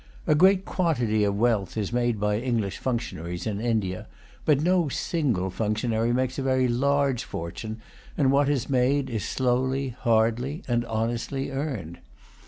A great quantity of wealth is made by English functionaries in India; but no single functionary makes a very large fortune, and what is made is slowly, hardly, and honestly earned.